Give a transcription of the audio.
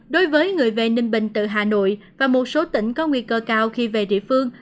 đối với người về ninh bình từ hà nội và một số tỉnh có nguy cơ cao khi về địa phương